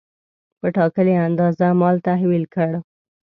په ټاکلې اندازه مال تحویل کړ.